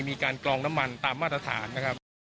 กรองน้ำมันตามมาตรฐานนะครับ